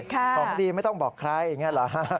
ของดีไม่ต้องบอกใครอย่างนี้เหรอฮะ